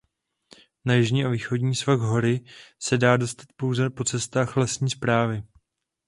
Na jižní a východní svah hory se dá dostat pouze po cestách lesní správy.